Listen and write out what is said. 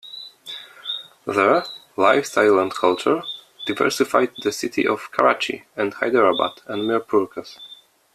There Lifestyle and culture diversified the city of Karachi and Hyderabad and Mirpurkhas.